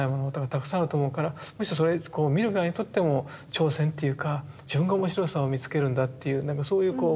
たくさんあると思うからむしろそれ見る側にとっても挑戦っていうか自分が面白さを見つけるんだっていうなんかそういうこう